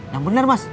yang bener mas